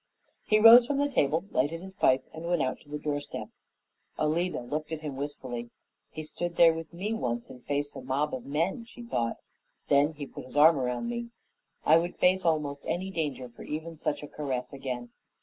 He rose from the table, lighted his pipe, and went out to the doorstep. Alida looked at him wistfully. "He stood there with me once and faced a mob of men," she thought. "Then he put his arm around me. I would face almost any danger for even such a caress again."